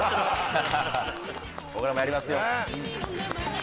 ・僕らもやりますよ